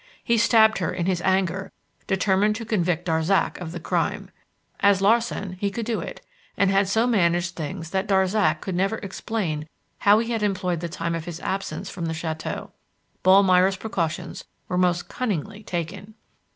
He stabbed her in his anger, determined to convict Darzac of the crime. As Larsan he could do it, and had so managed things that Darzac could never explain how he had employeeed the time of his absence from the chateau. Ballmeyer's precautions were most cunningly taken.